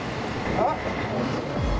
あっ！